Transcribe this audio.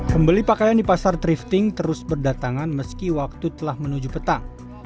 pembeli pakaian di pasar thrifting terus berdatangan meski waktu telah menuju petang